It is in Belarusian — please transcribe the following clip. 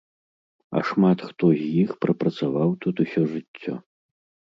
А шмат хто з іх прапрацаваў тут усё жыццё.